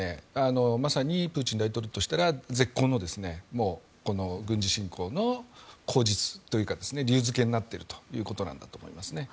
まさにプーチン大統領としたら絶好の軍事侵攻の口実というか理由付けになっているんだと思います。